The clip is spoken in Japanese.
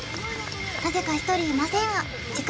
なぜか１人いませんがダテ！